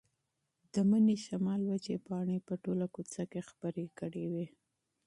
د مني شمال وچې پاڼې په ټوله کوڅه کې خپرې کړې وې.